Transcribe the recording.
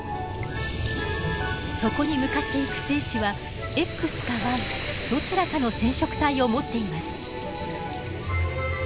そこに向かっていく精子はＸかＹどちらかの染色体を持っています。